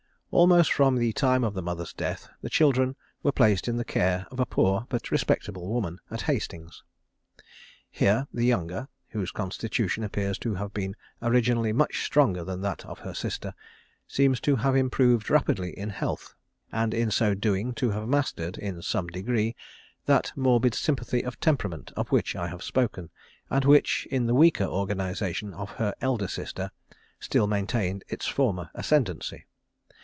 Almost from the time of the mother's death, the children were placed in the care of a poor, but respectable woman, at Hastings. Here the younger, whose constitution appears to have been originally much stronger than that of her sister, seems to have improved rapidly in health, and in so doing to have mastered, in some degree, that morbid sympathy of temperament of which I have spoken, and which in the weaker organisation of her elder sister, still maintained its former ascendency.